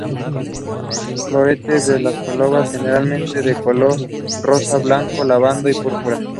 Floretes con corolas generalmente de color rosa a blanco lavanda o púrpura.